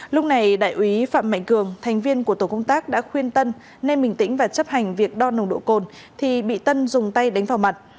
lúc này đại úy phạm mạnh cường thành viên của tổ công tác đã khuyên tân nên bình tĩnh và chấp hành việc đo nồng độ cồn thì bị tân dùng tay đánh vào mặt